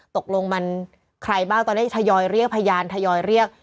ตกลงมันใครบ้างตอนนี้ทยอยเรียกพยานทยอยเรียก